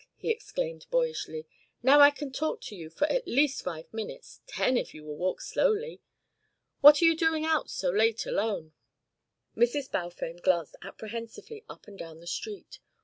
he exclaimed boyishly. "Now I shall talk to you for at least five minutes ten, if you will walk slowly! What are you doing out so late alone?" Mrs. Balfame glanced apprehensively up and down the street.